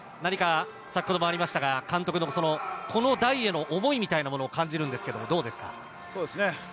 先ほどもありましたが、監督のこの代への思いみたいなものを感じるんですけれども、どうですか。